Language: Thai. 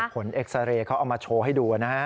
เอ็กซาเรย์เขาเอามาโชว์ให้ดูนะฮะ